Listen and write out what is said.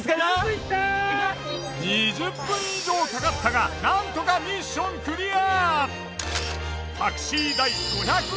２０分以上かかったがなんとかミッションクリア！